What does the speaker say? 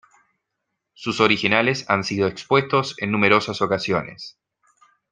Sus originales han sido expuestos en numerosas ocasiones.